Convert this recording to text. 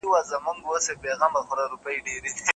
او سره له هغه چي په لویو